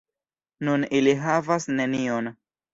Nun ili havas nenion!